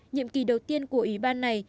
nhiệm kỳ đầu tiên của ủy ban này